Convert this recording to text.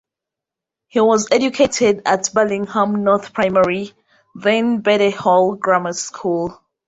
He was educated at Billingham North Primary then Bede Hall Grammar School.